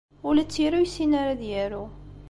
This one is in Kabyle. Ula d tira ur yessin ara ad yaru.